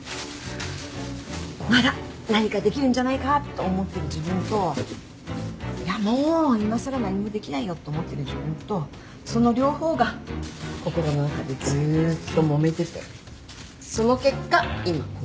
まだ何かできるんじゃないかと思ってる自分といやもういまさら何もできないよと思ってる自分とその両方が心の中でずっともめててその結果今ここにいる。